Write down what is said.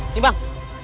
nah ini bang